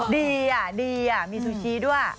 ดีอ่ะมีซูชี้ด้วย